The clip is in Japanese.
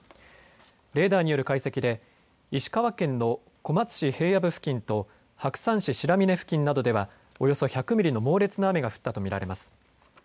レーダーによる解析で石川県の小松市平野部付近と白山市白峰付近などではおよそ１００ミリの猛烈な雨が降ったと見られます。